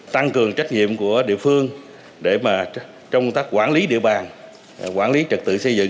tăng cường trách nhiệm của địa phương để công tác quản lý địa bàn quản lý trật tự xây dựng